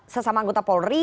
sesama anggota polri